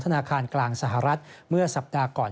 ธนาคารกลางสหรัฐเมื่อสัปดาห์ก่อน